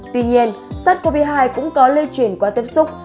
tuy nhiên sars cov hai cũng có lây chuyển qua tiếp xúc